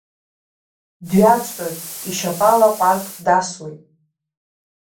Дҩаҵҟьоит, ишьапала ҟәардәк дасуеит.